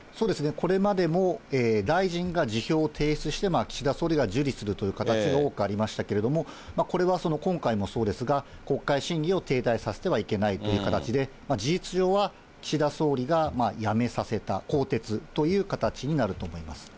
これまでも大臣が辞表を提出して、岸田総理が受理するという形が多くありましたけれども、これは今回もそうですが、国会審議を停滞させてはいけないという形で、事実上は、岸田総理が辞めさせた、更迭という形になると思います。